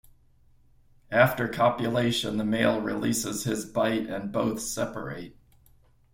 After copulation, the male releases his bite and both separate.